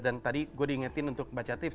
dan tadi gue diingetin untuk baca tips